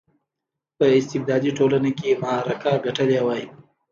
په استبدادي ټولنه کې معرکه ګټلې وای.